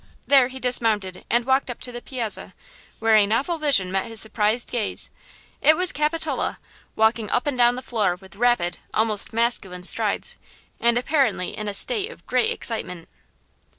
There he dismounted and walked up into the piazza, where a novel vision met his surprised gaze. It was Capitola, walking up and down the floor with rapid, almost masculine strides, and apparently in a state of great excitement.